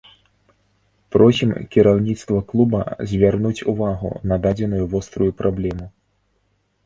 Просім кіраўніцтва клуба звярнуць увагу на дадзеную вострую праблему.